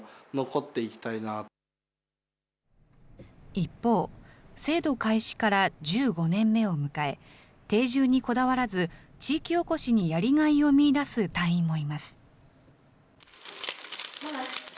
一方、制度開始から１５年目を迎え、定住にこだわらず、地域おこしにやりがいを見いだす隊員もいます。